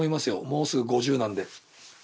もうすぐ５０なんで。